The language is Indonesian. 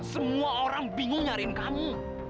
semua orang bingung nyariin kamu